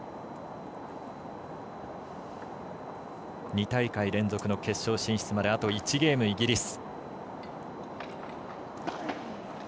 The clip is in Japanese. ２大会連続の決勝進出まであと１ゲーム、イギリス。